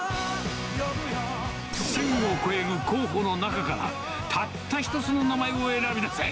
１０００を超える候補の中から、たった１つの名前を選び出せ！